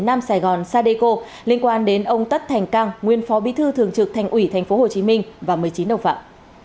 nam sài gòn sadeco liên quan đến ông tất thành căng nguyên phó bí thư thường trực thành ủy tp hồ chí minh và một mươi chín đồng phạm